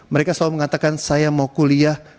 mereka selalu mengatakan saya mau kuliah